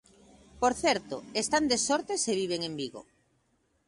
Por certo, están de sorte se viven en Vigo.